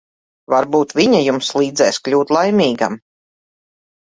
Varbūt viņa jums līdzēs kļūt laimīgam.